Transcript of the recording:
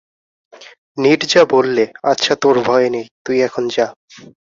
নীরজা বললে, আচ্ছা তোর ভয় নেই, তুই এখন যা।